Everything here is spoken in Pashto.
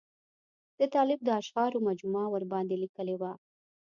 د طالب د اشعارو مجموعه ورباندې لیکلې وه.